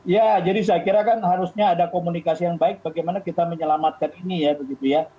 ya jadi saya kira kan harusnya ada komunikasi yang baik bagaimana kita menyelamatkan ini ya begitu ya